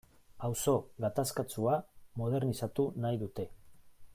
Auzo gatazkatsua modernizatu nahi dute.